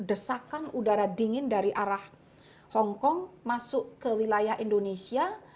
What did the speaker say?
desakan udara dingin dari arah hongkong masuk ke wilayah indonesia